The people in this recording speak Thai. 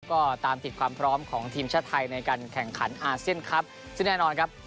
ก็ตามติดความพร้อมของทีมชาติไทยในการแข่งขันอาเซียนครับซึ่งแน่นอนครับ